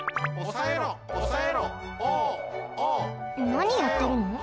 なにやってるの？